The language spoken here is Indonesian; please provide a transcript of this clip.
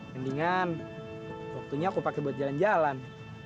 mendingan waktunya aku pakai buat jalan jalan